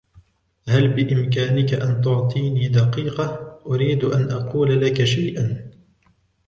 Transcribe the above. هل بإمكانك أن تعطيني دقيقة ؟ أريد أن أقول لك شيئا.